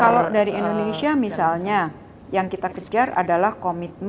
kalau dari indonesia misalnya yang kita kejar adalah komitmen